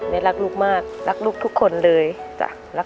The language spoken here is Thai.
แม่รักลูกมากรักลูกทุกคนเลยรักมาก